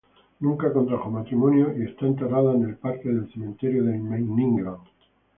Nunca contrajo matrimonio, y está enterrada en el parque del cementerio de Meiningen.